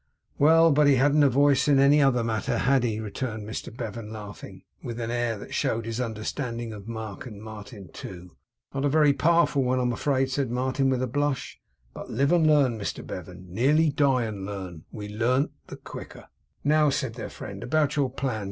'Well! but he hadn't a voice in any other matter, had he?' returned Mr Bevan; laughing with an air that showed his understanding of Mark and Martin too. 'Not a very powerful one, I am afraid,' said Martin with a blush. 'But live and learn, Mr Bevan! Nearly die and learn; we learn the quicker.' 'Now,' said their friend, 'about your plans.